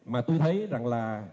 mà tôi thấy rằng là